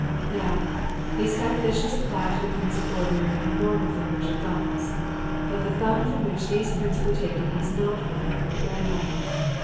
"Now, these calculations apply to the prints of ordinary and normal fingers or thumbs. But the thumb from which these prints were taken is not ordinary or normal.